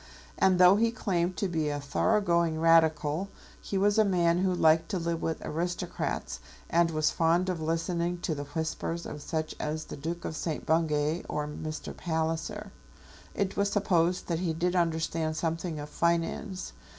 And though he claimed to be a thoroughgoing Radical, he was a man who liked to live with aristocrats, and was fond of listening to the whispers of such as the Duke of St. Bungay or Mr. Palliser. It was supposed that he did understand something of finance.